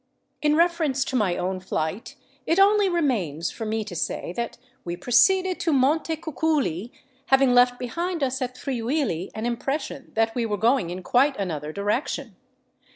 In reference to my own flight it only remains for me to say that we proceeded to Montecuculi, having left behind us at Friuli an impression that we were going in quite another direction.